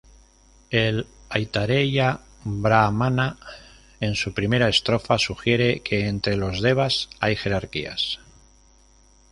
El "Aitareia-brahmana" en su primera estrofa sugiere que entre los devas hay jerarquías.